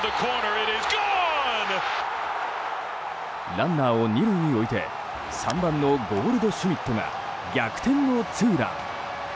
ランナーを２塁に置いて３番のゴールドシュミットが逆転のツーラン。